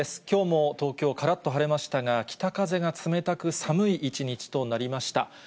きょうも東京、からっと晴れましたが、北風が冷たく、寒い一日となりました。